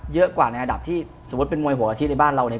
เยอะกว่าในอันดับที่สมมุติเป็นมวยหัวอาชิในบ้านเราเนี่ย